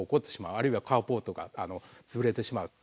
あるいはカーポートが潰れてしまうと。